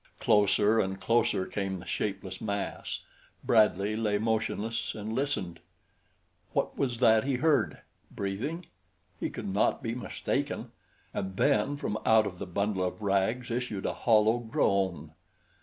Closer and closer came the shapeless mass. Bradley lay motionless and listened. What was that he heard! Breathing? He could not be mistaken and then from out of the bundle of rags issued a hollow groan.